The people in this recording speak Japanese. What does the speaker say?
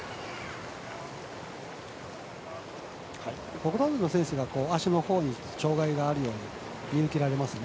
ほとんどの選手が足のほうに障がいがあるように見受けられますね。